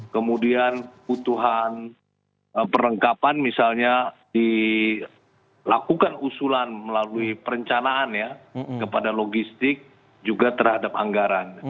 kemudian butuhan perlengkapan misalnya dilakukan usulan melalui perencanaan ya kepada logistik juga terhadap anggaran